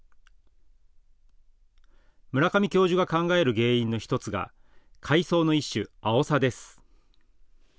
村上教授が考える原因の１つが、海藻の一種、アオサです。